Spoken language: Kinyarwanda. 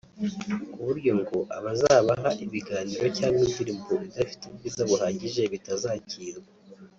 ku buryo ngo abazabaha ibiganiro cyangwa indirimo idafite ubwiza buhagije bitazakirwa